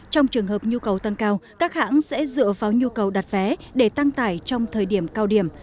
trong trường hợp nhu cầu tăng cao các hãng sẽ dựa vào nhu cầu đặt vé để tăng tải trong thời điểm cao điểm